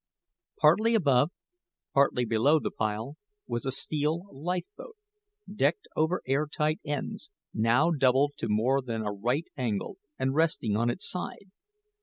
Partly above, partly below the pile, was a steel lifeboat, decked over air tight ends, now doubled to more than a right angle and resting on its side.